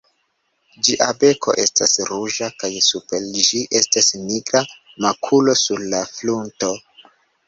Ĝia beko estas ruĝa kaj super ĝi estas nigra makulo sur la frunto.